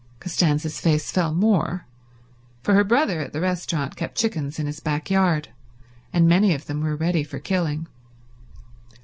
Costanza's face fell more, for her brother at the restaurant kept chickens in his back yard, and many of them were ready for killing.